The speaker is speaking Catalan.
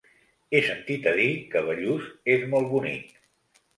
He sentit a dir que Bellús és molt bonic.